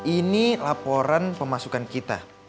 ini laporan pemasukan kita